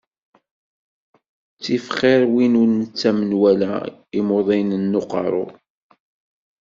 Ttif xiṛ win ur nettamen wala imuḍinen n uqeṛṛu.